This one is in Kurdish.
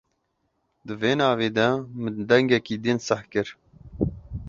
Di vê navê de min dengekî din seh kir.